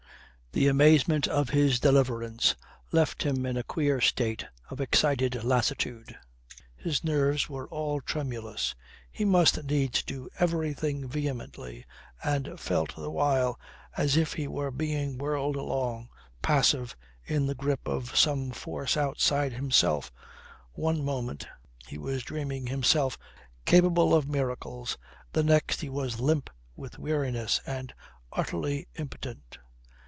The amazement of his deliverance left him in a queer state of excited lassitude. His nerves were all tremulous, he must needs do everything vehemently, and felt the while as if he were being whirled along, passive, in the grip of some force outside himself One moment he was dreaming himself capable of miracles, the next he was limp with weariness and utterly impotent.